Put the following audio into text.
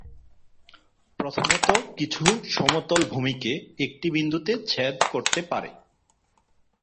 প্রথমত, কিছু সমতল ভূমিকে একটি বিন্দুতে ছেদ করতে পারে।